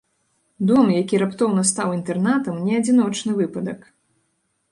Дом, які раптоўна стаў інтэрнатам, не адзіночны выпадак.